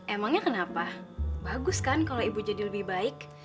emangnya kenapa bagus kan kalau ibu jadi lebih baik